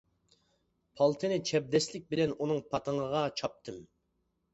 پالتىنى چەبدەسلىك بىلەن ئۇنىڭ پاتىڭىغا چاپتىم.